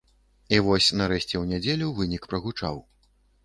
І вось нарэшце ў нядзелю вынік прагучаў.